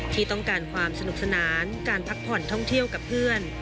ที่ต้องการความสนุกสนานการพักผ่อนท่องเที่ยวกับเพื่อน